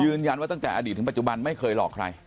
ยืนยันว่าตั้งแต่อดีตถึงปัจจุบันไม่เคยหลอกใคร